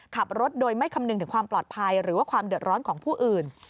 ขับรถโดยไม่คำนึงถึงความปลอดภัยหรือว่าความเดือดร้อนของผู้อื่น